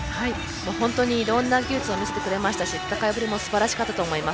本当にいろんな技術を見せてくれましたし戦いぶりもすばらしかったと思います。